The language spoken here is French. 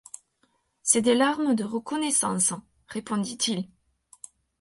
C’est des larmes de reconnaissance, répondit-il.